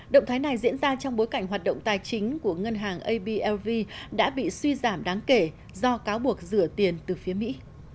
động thái này diễn ra trong bối cảnh hoạt động tài chính của ngân hàng ab đã bị suy giảm đáng kể do cáo buộc rửa tiền từ phía mỹ